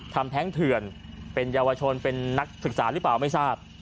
แท้งเถื่อนเป็นเยาวชนเป็นนักศึกษาหรือเปล่าไม่ทราบ